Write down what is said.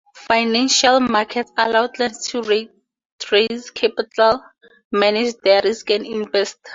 Financial markets allow clients to raise capital, manage their risks and invest.